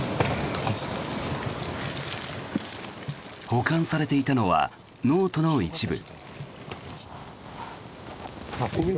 保管されていたのはノートの一部。